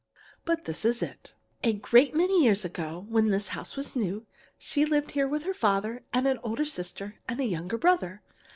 But this is it: "A great many years ago, when this house was new, she lived here with her father and an older sister and a younger brother.